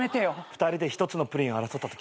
２人で１つのプリンを争ったとき。